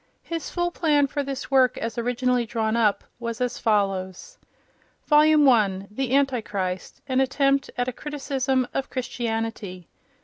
His full plan for this work, as originally drawn up, was as follows: Vol. I. The Antichrist: an Attempt at a Criticism of Christianity.